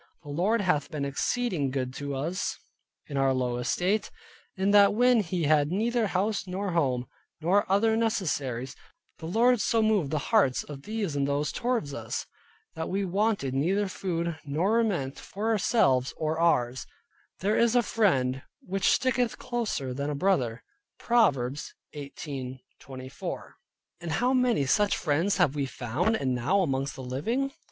The Lord hath been exceeding good to us in our low estate, in that when we had neither house nor home, nor other necessaries, the Lord so moved the hearts of these and those towards us, that we wanted neither food, nor raiment for ourselves or ours: "There is a Friend which sticketh closer than a Brother" (Proverbs 18.24). And how many such friends have we found, and now living amongst?